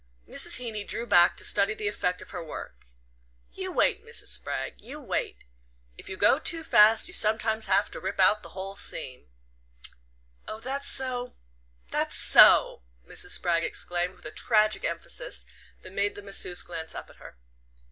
Mrs. Heeny drew back to study the effect of her work. "You wait, Mrs. Spragg, you wait. If you go too fast you sometimes have to rip out the whole seam." "Oh, that's so that's SO!" Mrs. Spragg exclaimed, with a tragic emphasis that made the masseuse glance up at her.